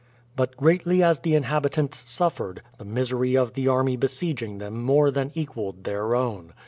But greatly as the inhabitants suffered, the misery of the army besieging them more than equalled their own.